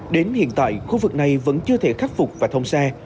đến hiện tại khu vực này vẫn chưa thể khắc phục và thông xe